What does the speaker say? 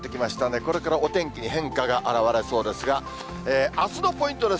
これからお天気に変化があらわれそうですが、あすのポイントです。